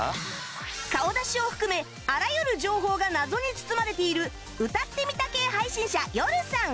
顔出しを含めあらゆる情報が謎に包まれている歌ってみた系配信者 Ｙｏｒｕ さん